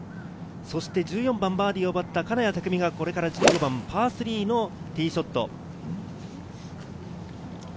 そして１４番、バーディーを奪った金谷拓実がこれから１５番、パー３のティーショット。